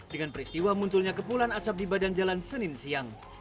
dengan peristiwa munculnya kepulan asap di badan jalan senin siang